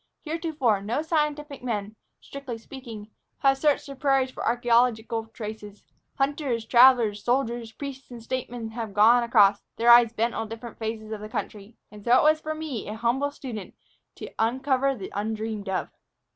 Heretofore, no scientific men, strictly speaking, have searched the prairies for archæological traces. Hunters, travelers, soldiers, priests, and statesmen have gone across, their eyes bent on different phases of the country. And so it was for me, an humble student, to uncover the undreamed of."